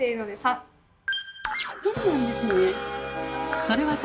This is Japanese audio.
そうなんですね。